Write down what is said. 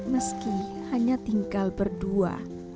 meski hanya tinggal berdua